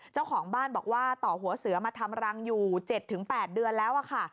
เจ้าของบ้านบอกว่าต่อหัวเสือมาทำรังอยู่๗๘เดือนแล้วค่ะ